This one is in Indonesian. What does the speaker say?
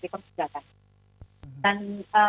dampak negatif dari apa yang diambilkan